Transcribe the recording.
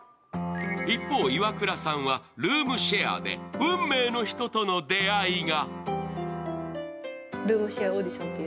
一方、イワクラさんはルームシェアで運命の人との出会いが。